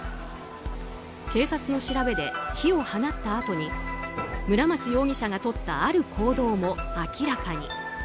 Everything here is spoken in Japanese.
警察の調べで、火を放ったあとに村松容疑者がとったある行動も明らかに。